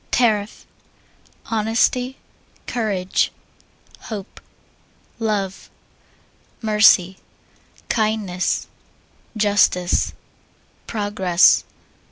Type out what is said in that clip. Tariff. Honesty. Courage. Hope. Love. Mercy. Kindness. Justice. Progress.